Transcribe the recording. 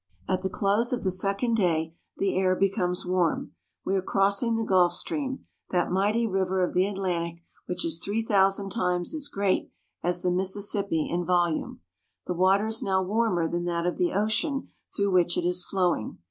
At the close of the second day the air becomes warm. We are crossing the Gulf Stream, that mighty river of the Atlan ticwhich is three thousand times as great as the Mississippi in volume. The water is now warmer than that of the ocean through which it is flow ing.